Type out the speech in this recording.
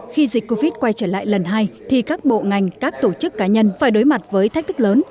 khi dịch covid quay trở lại lần hai thì các bộ ngành các tổ chức cá nhân phải đối mặt với thách thức lớn